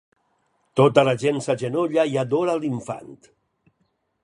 Tota la gent s'agenolla i adora l'infant.